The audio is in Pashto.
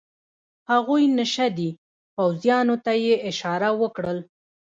هغوی نشه دي، پوځیانو ته یې اشاره وکړل.